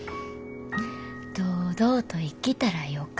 堂々と生きたらよか。